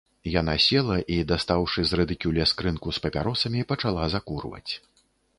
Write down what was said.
Яна села і, дастаўшы з рыдыкюля скрынку з папяросамі, пачала закурваць.